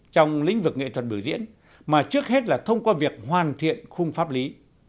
trong lĩnh vực nghệ thuật biểu diễn mà trước hết là thông qua việc hoàn thiện khung pháp lý